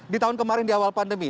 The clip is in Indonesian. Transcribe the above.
di tahun kemarin di awal pandemi